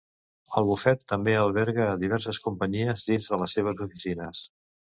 El bufet també alberga a diverses companyies dins de les seves oficines.